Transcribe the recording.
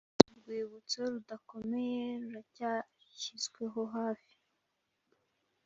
urwibutso rudakomeye ruracyashizweho hafi,